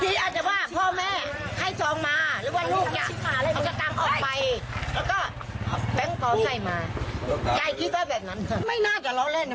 ไม่ใช่มันจะความเป็นบ้าคนไม่เต็มคนหรือเปล่าหรือบางที